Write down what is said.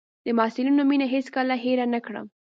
د محصلینو مينه هېڅ کله هېره نه کړم.